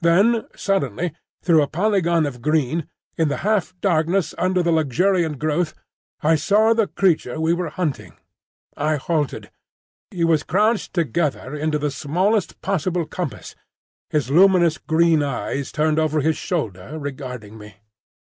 Then suddenly through a polygon of green, in the half darkness under the luxuriant growth, I saw the creature we were hunting. I halted. He was crouched together into the smallest possible compass, his luminous green eyes turned over his shoulder regarding me.